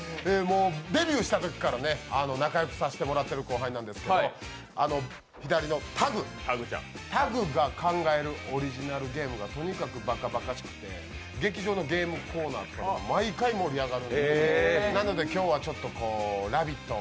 デビューしたときから仲良くさせてもらってる後輩なんですけど左のタグが考えるオリジナルゲームがとにかくばかばかしくて劇場のゲームコーナーとかでも毎回盛り上がる。